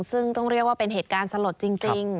ซึ่งต้องเรียกว่าเป็นเหตุการณ์สลดจริง